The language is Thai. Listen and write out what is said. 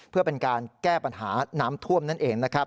เพื่อเป็นการแก้ปัญหาน้ำท่วมนั่นเองนะครับ